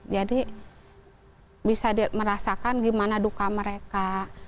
jadi bisa merasakan gimana duka mereka